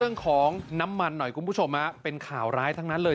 เรื่องของน้ำมันหน่อยคุณผู้ชมฮะเป็นข่าวร้ายทั้งนั้นเลย